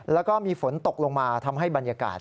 แล้วก็มีฝนตกลงมาทำให้บรรยากาศ